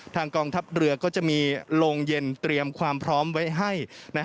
กองทัพเรือก็จะมีโรงเย็นเตรียมความพร้อมไว้ให้